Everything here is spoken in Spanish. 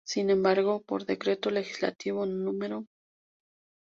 Sin embargo, por decreto legislativo no.